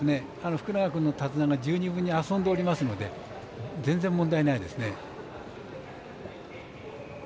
福永君の手綱が十二分に遊んでおりますので全然、問題ないですね。